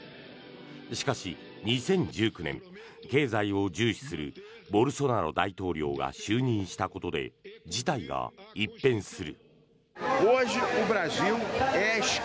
しかし、２０１９年経済を重視するボルソナロ大統領が就任したことで事態は一変する。